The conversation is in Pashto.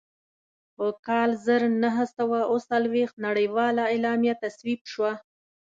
په کال زر نهه سوه اووه څلوېښت نړیواله اعلامیه تصویب شوه.